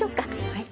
はい。